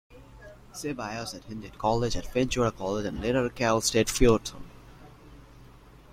Ceballos attended college at Ventura College and later Cal State Fullerton.